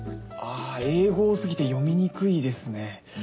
ああ英語多すぎて読みにくいですね。